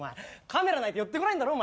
カメラないと寄ってこないんだろ？